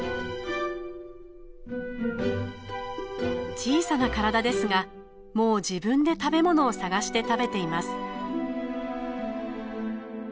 小さな体ですがもう自分で食べ物を探して食べています。